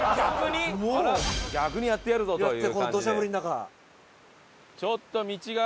「逆にやってやるぞ」という感じで。